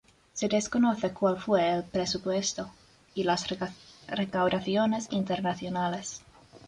Se desconoce cual fue el presupuesto y las recaudaciones internacionales.